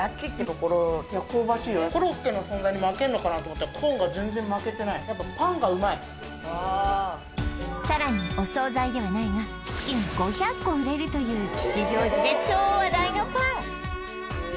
コロッケの存在に負けんのかなと思ったらコーンが全然負けてないやっぱパンがうまいさらにお総菜ではないが月に５００個売れるという吉祥寺で超話題のパン